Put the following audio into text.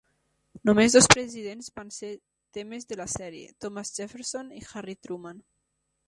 Només dos presidents van ser temes de la sèrie: Thomas Jefferson i Harry Truman.